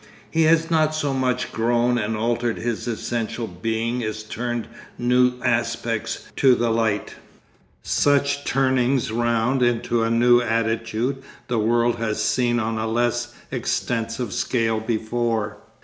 He has not so much grown and altered his essential being as turned new aspects to the light. Such turnings round into a new attitude the world has seen on a less extensive scale before.